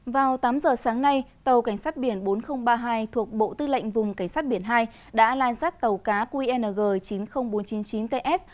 vào tám giờ sáng nay tàu cảnh sát biển bốn nghìn ba mươi hai thuộc bộ tư lệnh vùng cảnh sát biển hai đã lai sát tàu cá qng chín mươi nghìn bốn trăm chín mươi chín ts